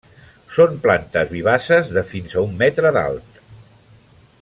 Són plantes vivaces de fins a un metre d'alt.